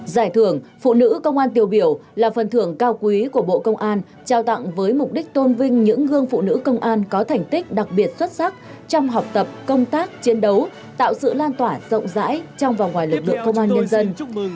giải thưởng phụ nữ công an tiêu biểu là phần thưởng cao quý của bộ công an trao tặng với mục đích tôn vinh những gương phụ nữ công an có thành tích đặc biệt xuất sắc trong học tập công tác chiến đấu tạo sự lan tỏa rộng rãi trong và ngoài lực lượng công an nhân dân